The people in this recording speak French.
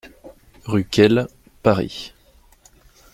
Rue Cail, Paris